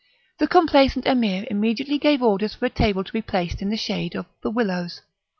The complaisant Emir immediately gave orders for a table to be placed in the shade of the willows.